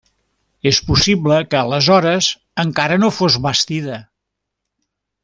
És possible que aleshores encara no fos bastida.